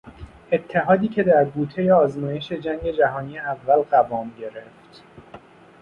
اتحادی که در بوتهی آزمایش جنگ جهانی اول قوام گرفت